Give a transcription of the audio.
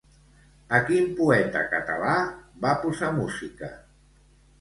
A quin poeta català va posar música?